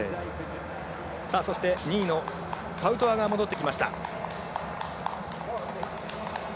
そして、２位のパウトワが戻ってきました。